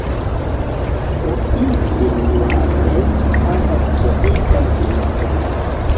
Pointe-Noire havas tropikan klimaton.